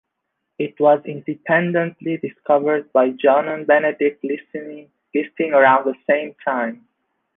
It was independently discovered by Johann Benedict Listing around the same time.